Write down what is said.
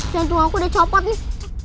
jantung aku udah copot nih